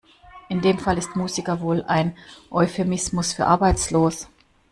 In dem Fall ist Musiker wohl ein Euphemismus für arbeitslos.